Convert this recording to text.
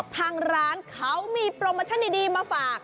ทางร้านเขามีโปรโมชั่นดีมาฝาก